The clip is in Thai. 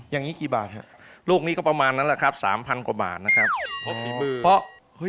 อย่างนี้กี่บาท